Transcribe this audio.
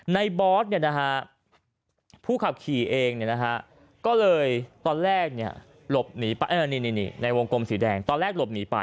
บอสผู้ขับขี่เองก็เลยตอนแรกหลบหนีไปในวงกลมสีแดงตอนแรกหลบหนีไป